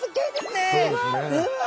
うわ！